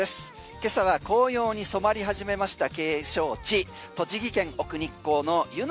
今朝は紅葉に染まり始めました景勝地、栃木県・奥日光の湯ノ